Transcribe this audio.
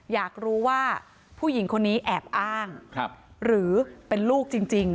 อยากรู้ว่าผู้หญิงคนนี้แอบอ้างหรือเป็นลูกจริง